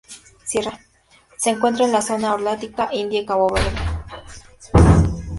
Se encuentra en la zona holártica, India y Cabo Verde.